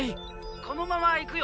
「このまま行くよ」。